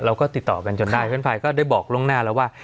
เราก็ติดต่อมันจนได้ใช่ครับเฟรนด์ไฟล์ก็ด้วยบอกล่องหน้าเราว่า